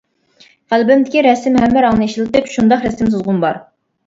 قەلبىمدىكى رەسىم ھەممە رەڭنى ئىشلىتىپ، شۇنداق رەسىم سىزغۇم بار.